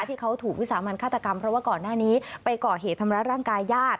ที่เขาถูกวิสามันฆาตกรรมเพราะว่าก่อนหน้านี้ไปก่อเหตุทำร้ายร่างกายญาติ